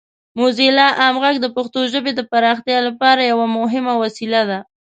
موزیلا عام غږ د پښتو ژبې د پراختیا لپاره یوه مهمه وسیله ده.